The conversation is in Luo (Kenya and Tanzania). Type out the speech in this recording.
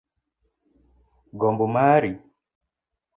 Gombo mari.